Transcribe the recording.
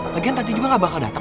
lagian tanti juga gak bakal dateng